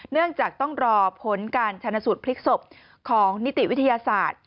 เนื่องจากต้องรอผลการชนะสูตรพลิกศพของนิติวิทยาศาสตร์